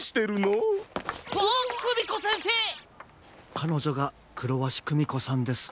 かのじょがクロワシクミコさんです。